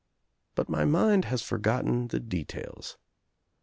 But my mind has forgotten the WAR 167 details.